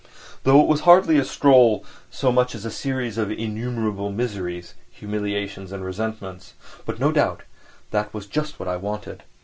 Though it was hardly a stroll so much as a series of innumerable miseries, humiliations and resentments; but no doubt that was just what I wanted.